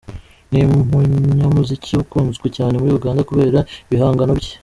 Ni umunyamuziki wakunzwe cyane muri Uganda kubera ibihangano bye.